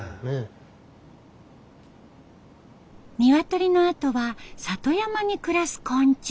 鶏のあとは里山に暮らす昆虫。